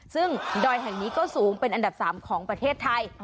ซึ่งดอยแห่งนี้ก็สูงเป็นอันดับ๓ของประเทศไทย